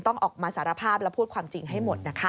ต้องออกมาสารภาพและพูดความจริงให้หมดนะคะ